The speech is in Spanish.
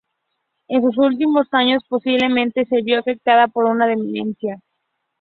En sus últimos años posiblemente se vio afectada por una demencia.